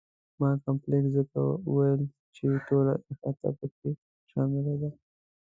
ما کمپلکس ځکه وویل چې ټوله احاطه په کې شامله ده.